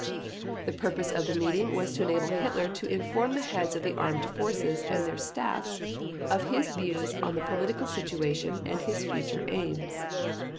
The purpose of the meeting was to enable Hitler to inform the heads of the Armed Forces and their staffs of his views on the political situation and his future aims.